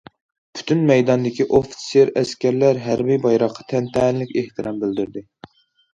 پۈتۈن مەيداندىكى ئوفىتسېر- ئەسكەرلەر ھەربىي بايراققا تەنتەنىلىك ئېھتىرام بىلدۈردى.